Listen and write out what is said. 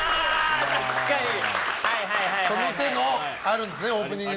その手のあるんですね、オープニング。